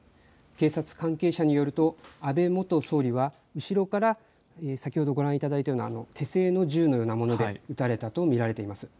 警察関係者によると安倍元総理は後ろから、先ほどご覧いただいたような手製の銃のようなもので撃たれたと見られています。